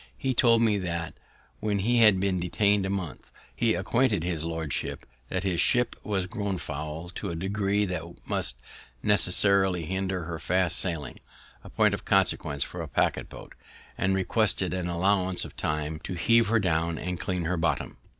He told me that, when he had been detain'd a month, he acquainted his lordship that his ship was grown foul, to a degree that must necessarily hinder her fast sailing, a point of consequence for a packet boat, and requested an allowance of time to heave her down and clean her bottom.